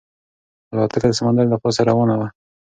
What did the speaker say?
الوتکه د سمندر له پاسه روانه وه.